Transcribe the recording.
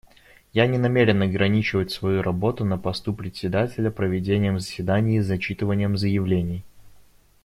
Я не намерен ограничивать свою работу на посту Председателя проведением заседаний и зачитыванием заявлений.